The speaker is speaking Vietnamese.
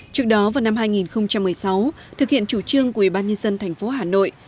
trước đó vào năm hai nghìn một mươi sáu thực hiện chủ trương của ủy ban nhân dân thành phố hà nội